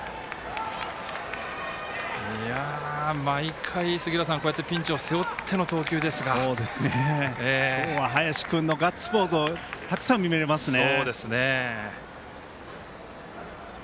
毎回、ピンチを背負っての投球ですが今日は林君のガッツポーズをたくさん見れますね。